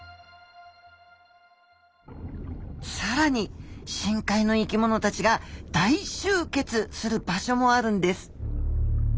さらに深海の生きものたちが大集結する場所もあるんです。